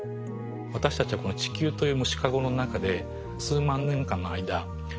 私たちはこの地球という虫かごの中で数万年間の間蚊を増やし続けてきた。